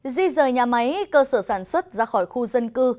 di rời nhà máy cơ sở sản xuất ra khỏi khu dân cư